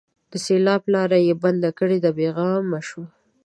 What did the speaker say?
د سېلاب لاره یې بنده کړه؛ بې غمه شو.